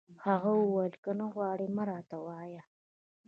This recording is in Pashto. هغه وویل: که نه غواړي، مه راته وایه.